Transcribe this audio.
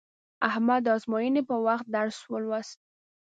احمد د ازموینې په وخت درس ولوست.